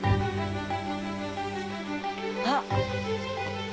あっ。